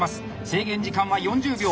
制限時間は４０秒。